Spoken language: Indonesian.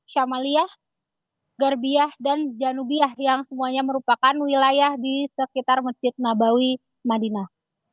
syamaliyah garbiah dan janubiah yang semuanya merupakan wilayah di sekitar masjid nabawi madinah